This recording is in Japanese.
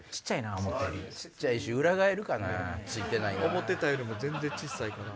思ってたよりも全然ちっさいかな。